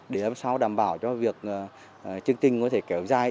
để làm sao đảm bảo cho việc chương trình có thể kéo dài